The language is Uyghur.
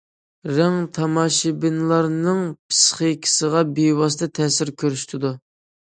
رەڭ تاماشىبىنلارنىڭ پىسخىكىسىغا بىۋاسىتە تەسىر كۆرسىتىدۇ.